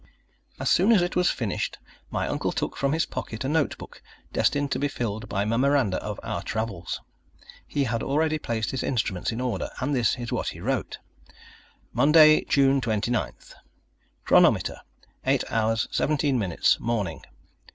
As soon as it was finished, my uncle took from his pocket a notebook destined to be filled by memoranda of our travels. He had already placed his instruments in order, and this is what he wrote: Monday, June 29th Chronometer, 8h. 17m. morning.